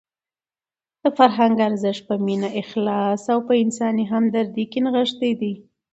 د فرهنګ ارزښت په مینه، اخلاص او په انساني همدردۍ کې نغښتی دی.